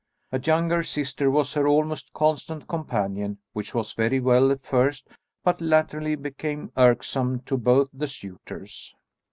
A younger sister was her almost constant companion, which was very well at first but latterly became irksome to both the suitors.